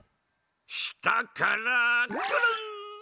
したからくるん！